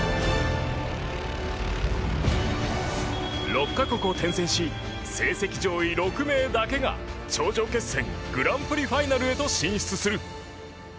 ６カ国を転戦し成績上位６名だけが頂上決戦グランプリファイナルへと進出する。